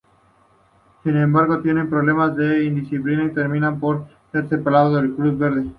Sin embargo tiene problemas de indisciplina y termina por ser separado del club verde.